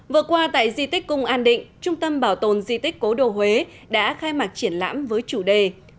vừa qua tại di tích cung an định trung tâm bảo tồn di tích cố đồ huế đã khai mạc triển lãm với chủ đề